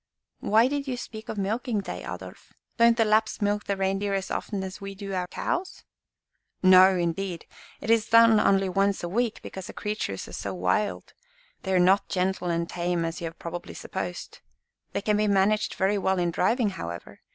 "Why did you speak of milking day, Adolf? Don't the Lapps milk the reindeer as often as we do our cows?" "No, indeed. It is done only once a week, because the creatures are so wild. They are not gentle and tame, as you have probably supposed. They can be managed very well in driving, however.